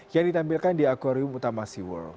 yang ditampilkan di akwarium utama seaworld